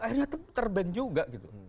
akhirnya terbang juga